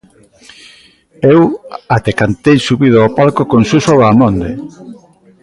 Eu até cantei subido ao palco con Suso Vaamonde.